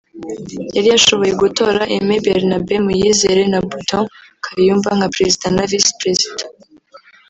yari yashoboye gutora Aime Bernabe Muyizere na Bodouin Kayumba nka Perezida na Visi Perezida